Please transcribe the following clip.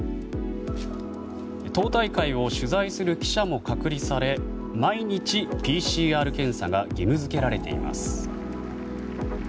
党大会を取材する記者も隔離され毎日、ＰＣＲ検査が義務付けられています。